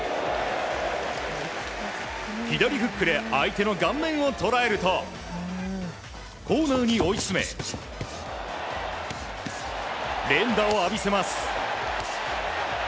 左フックで相手の顔面を捉えるとコーナーに追い詰め連打を浴びせます。